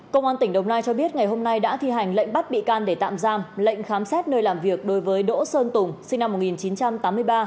công an tỉnh đồng nai cho biết ngày hôm nay đã thi hành lệnh bắt bị can để tạm giam lệnh khám xét nơi làm việc đối với đỗ sơn tùng sinh năm một nghìn chín trăm tám mươi ba